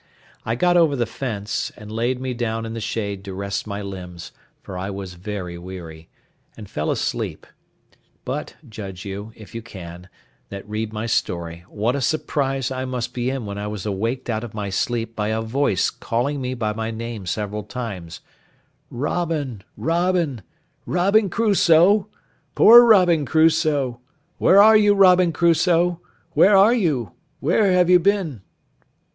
I got over the fence, and laid me down in the shade to rest my limbs, for I was very weary, and fell asleep; but judge you, if you can, that read my story, what a surprise I must be in when I was awaked out of my sleep by a voice calling me by my name several times, "Robin, Robin, Robin Crusoe: poor Robin Crusoe! Where are you, Robin Crusoe? Where are you? Where have you been?"